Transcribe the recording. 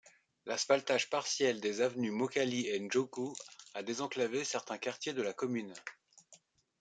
L'asphaltage partiel des avenues Mokali et Ndjoku a désenclavé certains quartiers de la commune.